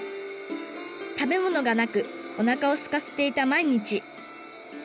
食べ物がなくおなかをすかせていた毎日。